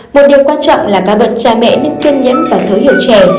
một điều quan trọng là các bậc cha mẹ nên kiên nhẫn và thớ hiệu trẻ